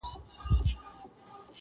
تاسې به یې څنګه د مشوري اهل وګنئ